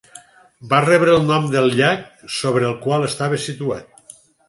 Va rebre el nom del llac sobre el qual estava situat.